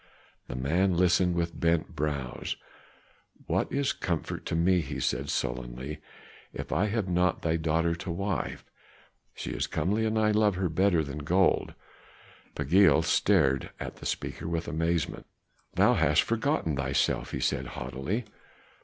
The man listened with bent brows. "What is comfort to me," he said sullenly, "if I have not thy daughter to wife; she is comely, and I love her better than gold." Pagiel stared at the speaker with amazement. "Thou hast forgotten thyself," he said haughtily.